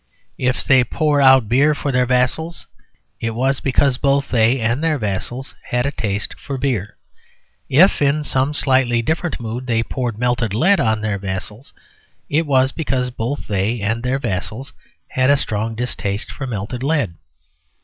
If they poured out beer for their vassals it was because both they and their vassals had a taste for beer. If (in some slightly different mood) they poured melted lead on their vassals, it was because both they and their vassals had a strong distaste for melted lead.